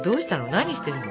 何してるの？